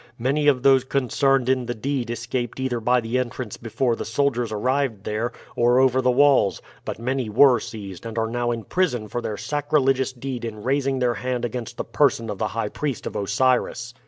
Many of those concerned in the deed escaped either by the entrance before the soldiers arrived there, or over the walls; but many were seized, and are now in prison for their sacrilegious deed in raising their hand against the person of the high priest of Osiris.